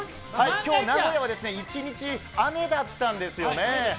今日名古屋は一日雨だったんですよね。